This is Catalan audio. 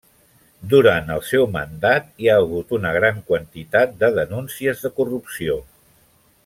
Durant el seu mandat hi ha hagut una gran quantitat de denúncies de corrupció.